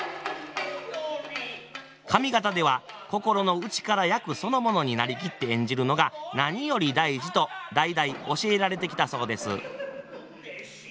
上方では心の内から役そのものに成りきって演じるのが何より大事と代々教えられてきたそうです。